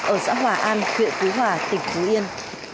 ở xã hòa an huyện phú hòa tỉnh phú yên